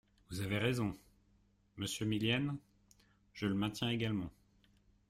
Vous avez raison ! Monsieur Millienne ? Je le maintiens également.